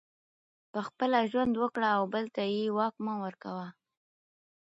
پخپله ژوند وکړه او بل ته یې واک مه ورکوه